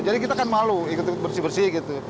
jadi kita kan malu ikut bersih bersih gitu